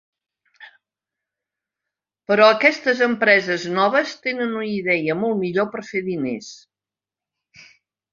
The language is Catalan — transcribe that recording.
Però aquestes empreses noves tenen una idea molt millor per a fer diners.